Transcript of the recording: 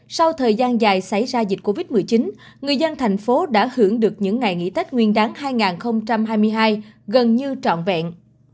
sau thời gian dài xảy ra dịch covid một mươi chín người dân thành phố đã hưởng được những ngày nghỉ tết nguyên đáng hai nghìn hai mươi hai gần như trọn vẹn